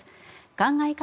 考え方